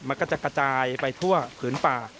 มันก็จะกระจายไปทั่วผืนป่า